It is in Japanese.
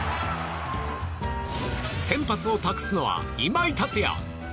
先発を託すのは今井達也。